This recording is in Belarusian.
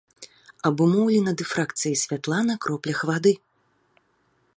Абумоўлена дыфракцыяй святла на кроплях вады.